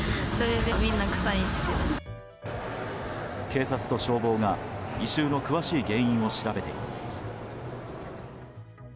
警察と消防が、異臭の詳しい原因を調べています。